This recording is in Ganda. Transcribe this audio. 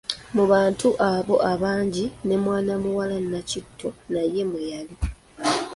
Mu bantu abo abangi ne mwana muwala Nnakitto naye mwe yali